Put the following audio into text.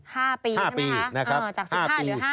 ห้าปีใช่ไหมฮะจาก๑๕หรือ๕ครับนะครับ